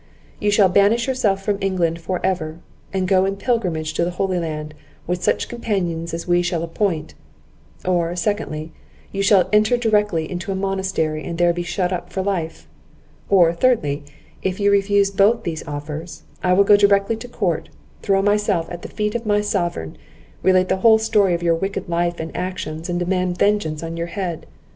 You shall banish yourself from England for ever, and go in pilgrimage to the Holy Land, with such companions as we shall appoint; or, secondly, you shall enter directly into a monastery, and there be shut up for life; or, thirdly, if you refuse both these offers, I will go directly to court, throw myself at the feet of my Sovereign, relate the whole story of your wicked life and actions, and demand vengeance on your head.